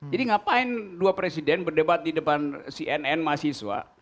jadi ngapain dua presiden berdebat di depan cnn mahasiswa